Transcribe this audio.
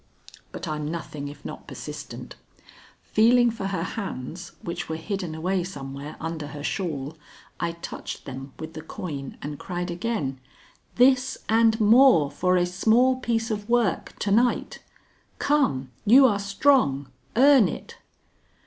But I'm nothing if not persistent. Feeling for her hands, which were hidden away somewhere under her shawl, I touched them with the coin and cried again: "This and more for a small piece of work to night. Come, you are strong; earn it."